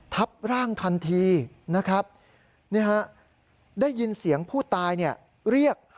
ทับร่างทันทีนะครับได้ยินเสียงผู้ตายเรียก